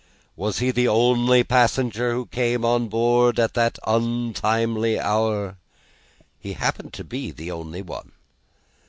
Was he the only passenger who came on board at that untimely hour?" "He happened to be the only one."